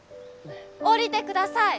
下りてください！